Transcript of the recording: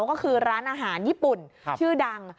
ก็คือร้านอาหารญี่ปุ่นชื่อดัง